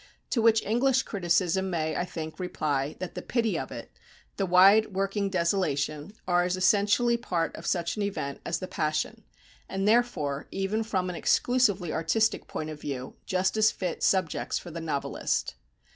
To which English criticism may, I think, reply, that the "pity of it," the wide working desolation, are as essentially part of such an event as the passion; and, therefore, even from an exclusively artistic point of view, just as fit subjects for the novelist.